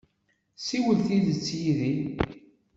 Ssiwel tidet yid-i!